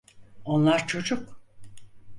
Onlar çocuk.